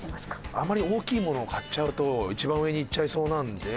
あまり大きいものを買っちゃうと一番上にいっちゃいそうなので。